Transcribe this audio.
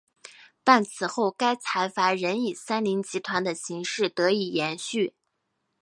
但此后该财阀仍以三菱集团的形式得以延续。